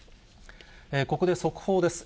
ここで速報です。